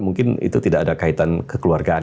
mungkin itu tidak ada kaitan kekeluargaan